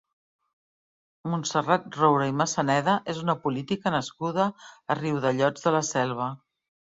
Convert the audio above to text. Montserrat Roura i Massaneda és una política nascuda a Riudellots de la Selva.